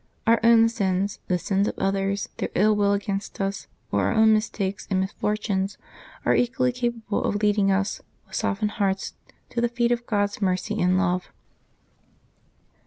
Our own sins, the sins of others, their ill will against us, or our own mistakes and misfortunes, are equally capable of leading us, with softened hearts, to the feet of God's mercy and love.